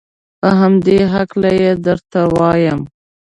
په همدې هلکه یې درته وایم.